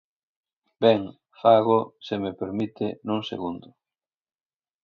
Ben, fágoo, se me permite, nun segundo.